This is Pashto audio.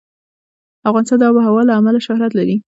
افغانستان د آب وهوا له امله شهرت لري.